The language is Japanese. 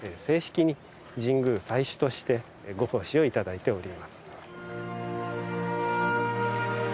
正式に神宮祭主としてご奉仕をいただいております。